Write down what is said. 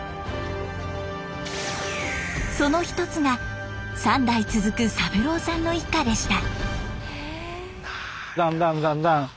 その一つが３代続く三郎さんの一家でした。